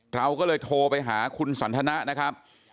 เราก็เลยโทรไปหาคุณสันทนะนะครับ